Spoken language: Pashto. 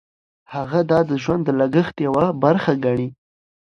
هغه دا د ژوند د لګښت یوه برخه ګڼي.